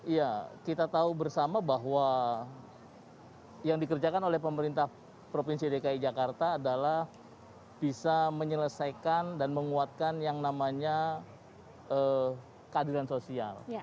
ya kita tahu bersama bahwa yang dikerjakan oleh pemerintah provinsi dki jakarta adalah bisa menyelesaikan dan menguatkan yang namanya keadilan sosial